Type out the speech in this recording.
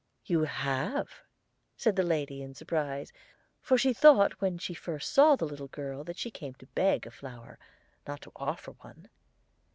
"'You have!' said the lady, in surprise, for she thought when she first saw the little girl that she came to beg a flower, not to offer one.